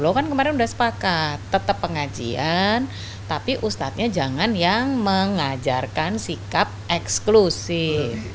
lo kan kemarin udah sepakat tetap pengajian tapi ustadznya jangan yang mengajarkan sikap eksklusif